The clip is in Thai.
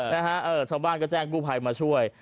ชาวบ้านก็แจ้งกู้ไพมาช่วย